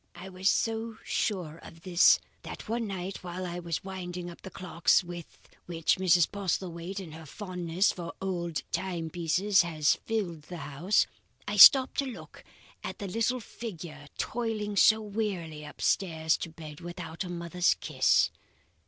"I was so sure of this that one night while I was winding up the clocks with which Mrs. Postlethwaite in her fondness for old timepieces has filled the house, I stopped to look at the little figure toiling so wearily upstairs, to bed, without a mother's kiss.